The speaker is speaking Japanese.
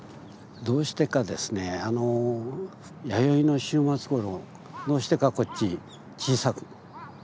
どうしてかですね弥生の終末ごろどうしてかこっち小さくなってますね。